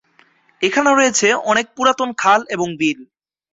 এখানে রয়েছে অনেক পুরাতন খাল এবং বিল।